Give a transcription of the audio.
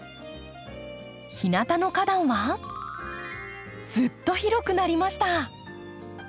日なたの花壇はずっと広くなりました！